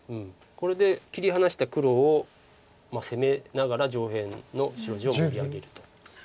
これで切り離した黒を攻めながら上辺の白地を盛り上げると。